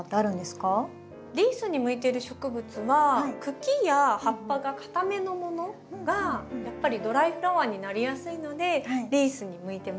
リースに向いている植物は茎や葉っぱがかためのものがやっぱりドライフラワーになりやすいのでリースに向いてますね。